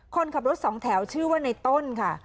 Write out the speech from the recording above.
คนขับรถสองแถวชื่อว่าในต้นค่ะ